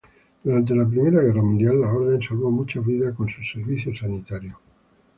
Durante la primera guerra mundial la orden salvó muchas vidas con su servicio sanitario.